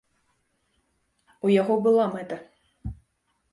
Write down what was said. У яго была мэта.